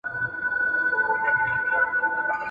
زما یې جهاني قلم د یار په نوم وهلی دی !.